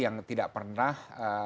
yang tidak pernah